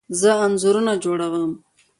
زه انځورونه جوړه وم